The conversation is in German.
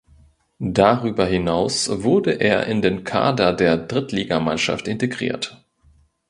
Darüber hinaus wurde er in den Kader der Drittligamannschaft integriert.